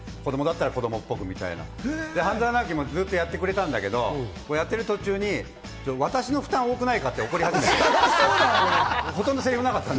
子供だったら子供っぽくというような半沢直樹もずっとやってくれたんだけど、やってる途中に私の負担、多くないかって。